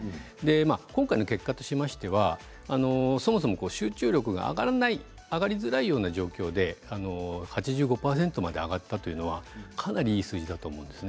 今回の結果としましてはそもそも集中力が上がらない上がりづらい状況で８５％まで上がったというのはかなりいい数字だと思うんですね。